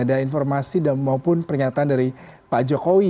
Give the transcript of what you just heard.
ada informasi maupun pernyataan dari pak jokowi